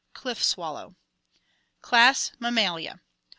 Cliff swallow. Class Mammalia